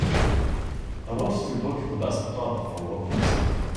I want to book the best pub for one person.